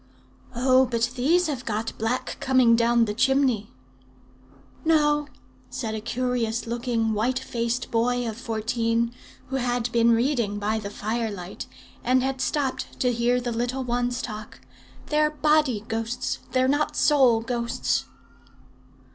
"'Oh! but these have got black coming down the chimney.' "'No,' said a curious looking, white faced boy of fourteen, who had been reading by the firelight, and had stopped to hear the little ones talk; 'they're body ghosts; they're not soul ghosts.'